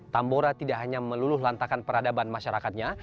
tambora tidak hanya meluluh lantakan peradaban masyarakatnya